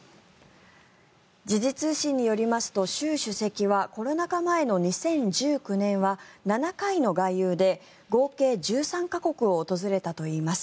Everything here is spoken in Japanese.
時事通信によりますと、習主席はコロナ禍前の２０１９年は７回の外遊で合計１３か国を訪れたといいます。